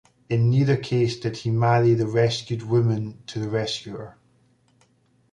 In neither case did he marry the rescued woman to the rescuer.